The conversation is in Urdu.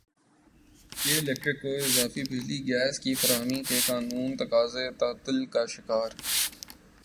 کے الیکٹرک کو اضافی بجلی گیس کی فراہمی کے قانونی تقاضے تعطل کا شکار